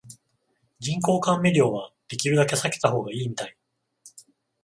人工甘味料はできるだけ避けた方がいいみたい